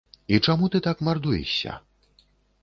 І чаму ты так мардуешся?